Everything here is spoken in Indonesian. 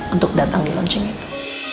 untuk datang di launching itu